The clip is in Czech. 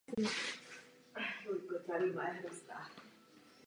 Počátkem října absolvovali první regulérní turné s The Ark.